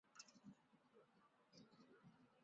在新加坡滨海湾滨海湾市街赛道举行。